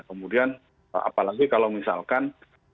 kemudian apalagi kalau misalkan